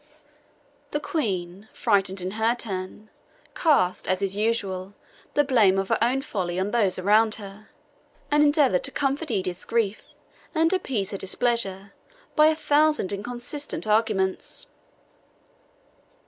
The Queen, frightened in her turn, cast, as is usual, the blame of her own folly on those around her, and endeavoured to comfort Edith's grief, and appease her displeasure, by a thousand inconsistent arguments.